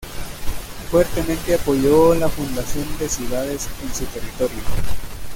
Fuertemente apoyó la fundación de ciudades en su territorio.